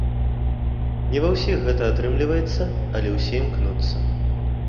Не ва ўсіх гэта атрымліваецца, але ўсе імкнуцца.